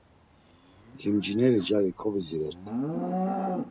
Limcineri gyaris kovidziret.